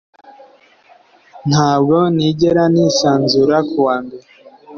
Ntabwo nigera nisanzura kuwa mbere